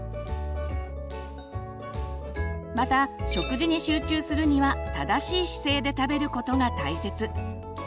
また食事に集中するには正しい姿勢で食べることが大切。